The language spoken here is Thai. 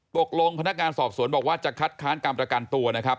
พนักงานสอบสวนบอกว่าจะคัดค้านการประกันตัวนะครับ